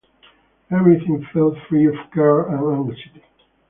Everything felt free of care and anxiety.